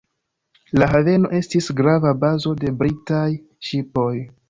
La haveno estis grava bazo de britaj ŝipoj.